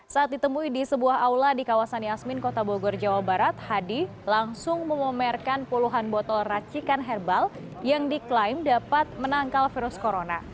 saat ditemui di sebuah aula di kawasan yasmin kota bogor jawa barat hadi langsung memamerkan puluhan botol racikan herbal yang diklaim dapat menangkal virus corona